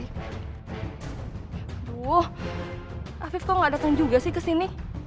aduh afif kok gak datang juga sih ke sini